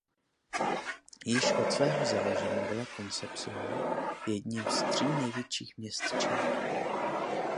Již od svého založení byla Concepción jedním z tří největších měst Chile.